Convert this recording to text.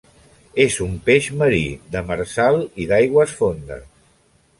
És un peix marí, demersal i d'aigües fondes.